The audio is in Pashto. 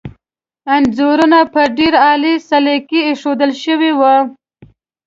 انځورونه په ډېر عالي سلیقې ایښودل شوي وو.